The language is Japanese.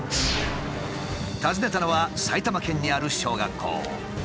訪ねたのは埼玉県にある小学校。